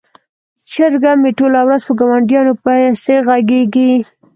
چرګه مې ټوله ورځ په ګاونډیانو پسې غږیږي.